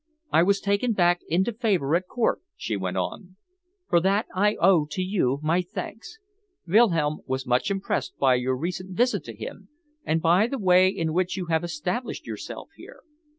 "I was taken back into favour at Court," she went on. "For that I owe to you my thanks. Wilhelm was much impressed by your recent visit to him, and by the way in which you have established yourself here.